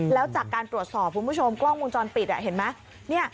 แล้วจากการตรวจสอบคุณผู้ชมกล้องวงจรปิดเห็นไหม